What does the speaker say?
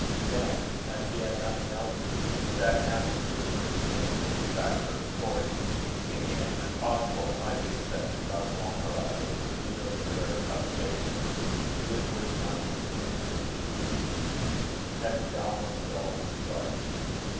Then, as he had nothing else to do, he sat down in his room, and began to manufacture a story, thinking it just possible it might be accepted by one or other of the pseudo literary publications with which London is inundated in hebdomadal floods.